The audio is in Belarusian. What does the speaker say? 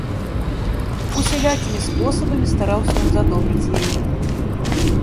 Усялякімі спосабамі стараўся ён задобрыць яе.